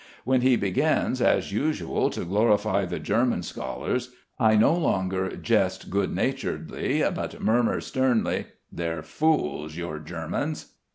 When he begins, as usual, to glorify the German scholars, I no longer jest good naturedly, but murmur sternly: "They're fools, your Germans...."